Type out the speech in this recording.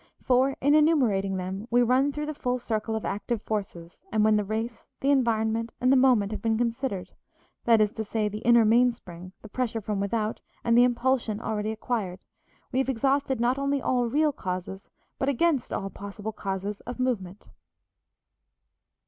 For, in enumerating them, we run through the full circle of active forces; and when the race, the environment, and the moment have been considered, that is to say the inner mainspring, the pressure from without, and the impulsion already acquired, we have exhausted not only all real causes but again all possible causes of movement.